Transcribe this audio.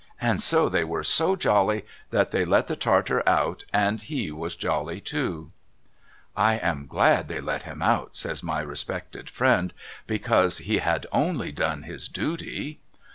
And so they were so jolly, that they let the Tartar out, and he was jolly too.' 352 MRS. LIRRIPER'S LODGINGS ' I am glad they let him out,' says my respected friend, ' because he had only done his duty.'